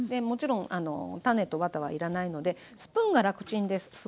もちろん種とワタは要らないのでスプーンが楽ちんです。